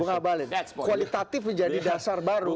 bung abalin kualitatif menjadi dasar baru